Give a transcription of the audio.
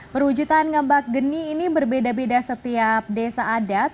perwujudan ngambak geni ini berbeda beda setiap desa adat